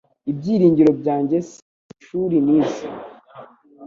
Ibyiringiro byanjye si amashuri nize